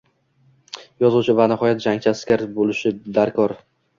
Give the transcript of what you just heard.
Yozuvchi, va nihoyat, jangchi askar boʻlishi darkor